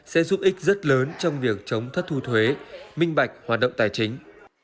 sẽ giúp ích rất lớn trong việc chống thất thu thuế minh bạch hoạt động tài chính